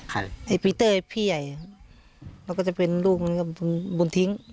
ใครไอ้พิเตอร์ไอ้พี่ใหญ่แล้วก็จะเป็นลูกมันก็บุญทิ้ง